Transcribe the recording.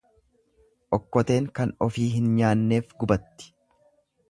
Okkoteen kan ofii hin nyaanneef gubatti.